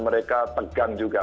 mereka tegang juga